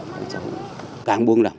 các cháu càng buông lỏng